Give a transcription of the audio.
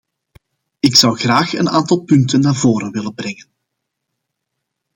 Ik zou graag een aantal punten naar voren willen brengen.